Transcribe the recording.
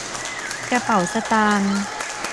กระเป๋าสตางค์